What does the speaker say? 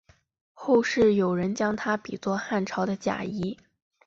后世有人将他比作汉朝的贾谊。